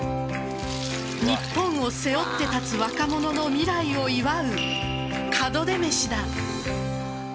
日本を背負って立つ若者の未来を祝う門出めしだ。